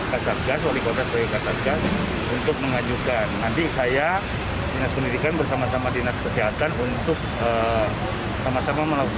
kasabgas wali kota sebagai kasabgas untuk mengajukan banyak saya bersama sama dinas kesihatan untuk